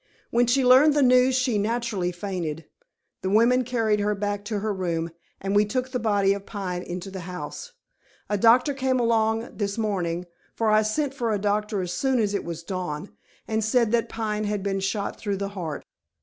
When she learned the news she naturally fainted. The women carried her back to her room, and we took the body of Pine into the house. A doctor came along this morning for I sent for a doctor as soon as it was dawn and said that Pine had been shot through the heart."